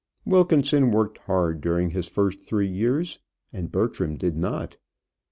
Wilkinson worked hard during his three first years, and Bertram did not.